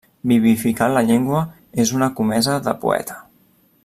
Vivificar la llengua és una comesa de poeta.